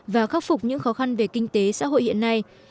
và khắc phục những khó khăn về kinh tế xã hội hiện nay